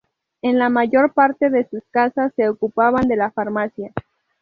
En la mayor parte de sus casas se ocupaban de la farmacia.